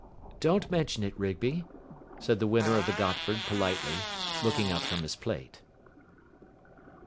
"Don't mention it, Rigby," said the winner of the Gotford politely, looking up from his plate.